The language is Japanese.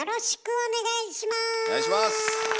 お願いします！